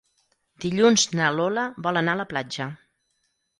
Dilluns na Lola vol anar a la platja.